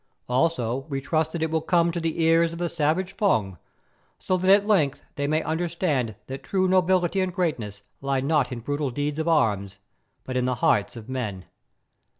Also, we trust that it will come to the ears of the savage Fung, so that at length they may understand that true nobility and greatness lie not in brutal deeds of arms, but in the hearts of men.